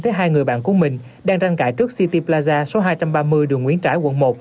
thấy hai người bạn của mình đang tranh cãi trước city plaza số hai trăm ba mươi đường nguyễn trãi quận một